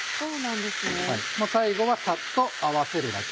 最後はサッと合わせるだけ。